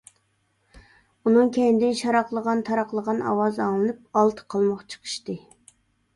ئۇنىڭ كەينىدىن شاراقلىغان، تاراقلىغان ئاۋاز ئاڭلىنىپ ئالتە قالماق چىقىشتى.